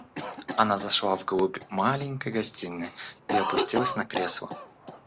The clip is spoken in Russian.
Она зашла в глубь маленькой гостиной и опустилась на кресло.